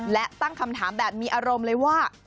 และตั้งคำถามแบบมีอารมณ์เลยว่า